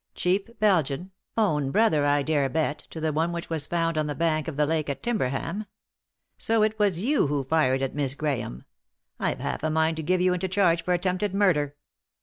Cheap Belgian; own brother, I dare bet, to the one which was found on the bank of the lake at Timberham. So it was you who fired at Miss Grahams. I've half a mind to give you into charge for attempted murder."